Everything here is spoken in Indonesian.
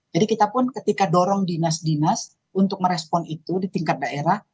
jadi kita pun ketika dorong dinas dinas untuk merespon itu di tingkat daerah